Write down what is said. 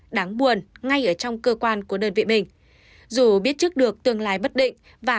đáng buồn ngay ở trong cơ quan của đơn vị mình dù biết trước được tương lai bất định và